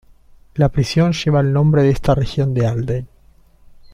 La prisión lleva el nombre de esta región de Alden.